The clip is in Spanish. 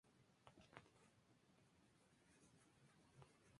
Gabriel Villalobos Ramírez, Lic.